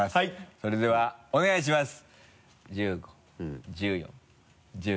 それではお願いします。